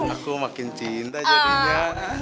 aku makin cinta jadinya